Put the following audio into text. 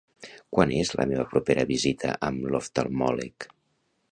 Quan és la meva propera visita amb l'oftalmòleg?